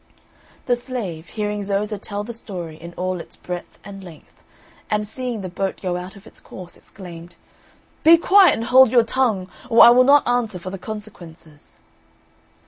The Slave, hearing Zoza tell the story in all its breadth and length, and seeing the boat go out of its course, exclaimed, "Be quiet and hold your tongue! or I will not answer for the consequences."